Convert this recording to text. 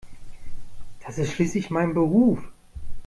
Das ist schließlich mein Beruf.